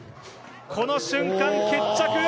この瞬間、決着。